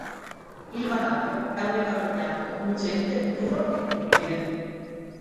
Il vanadio è un metallo bianco lucente, duro e duttile.